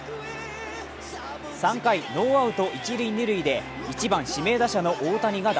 ３回、ノーアウト一・二塁で１番・指名打者の大谷。